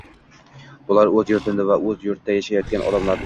Bular – o‘z yurtini va shu yurtda yashayotgan odamlarni sevadi.